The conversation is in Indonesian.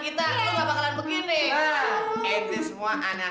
kita semua udah bekerja sama mbak